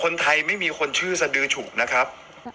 คนไทยไม่มีคนชื่อสดืฉู่ครับ